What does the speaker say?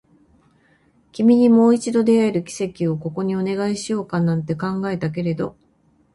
君にもう一度出会える奇跡をここにお願いしようなんて考えたけれど